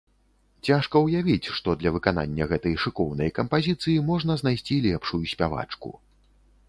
Цяжка ўявіць, што для выканання гэтай шыкоўнай кампазіцыі можна знайсці лепшую спявачку.